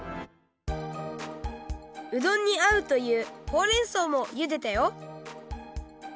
うどんにあうというほうれんそうもゆでたよ